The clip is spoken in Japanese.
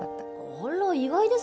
あら意外ですね。